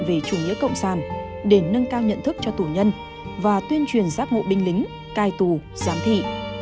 về chủ nghĩa cộng sản để nâng cao nhận thức cho tù nhân và tuyên truyền giác ngộ binh lính cai tù giám thị